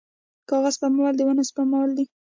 د کاغذ سپمول د ونو سپمول دي